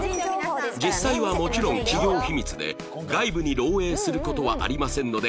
実際はもちろん企業秘密で外部に漏洩する事はありませんのでご安心を